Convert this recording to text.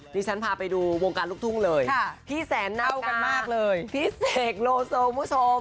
นี่ฉันพาไปดูวงการลุกทุ่งเลยพี่แสนนากาพี่เสกโลโซคุณผู้ชม